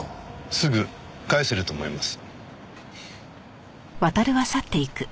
すぐ返せると思います。